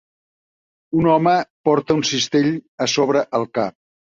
Un home porta un cistell a sobre el cap.